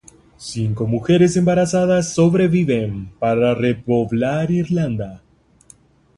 Cinco mujeres embarazadas sobreviven para repoblar Irlanda.